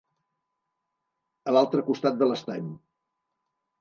A l'altre costat de l'estany.